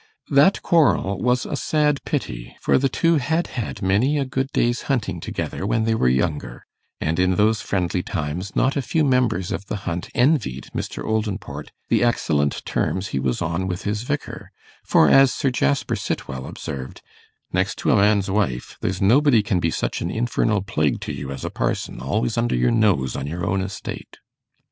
That quarrel was a sad pity, for the two had had many a good day's hunting together when they were younger, and in those friendly times not a few members of the hunt envied Mr. Oldinport the excellent terms he was on with his vicar; for, as Sir Jasper Sitwell observed, 'next to a man's wife, there's nobody can be such an infernal plague to you as a parson, always under your nose on your own estate.